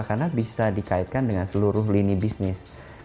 karena bisa dikaitkan dengan seluruh lini bisnis